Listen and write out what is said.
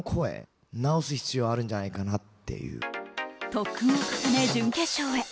特訓を重ね、準決勝へ。